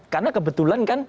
karena kebetulan kan